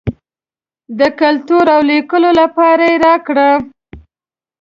د کتلو او لیکلو لپاره یې راکړه.